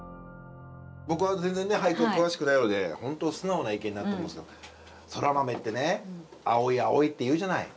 僕は全然俳句は詳しくないので本当素直な意見になると思いますけどそら豆ってね青い青いっていうじゃない。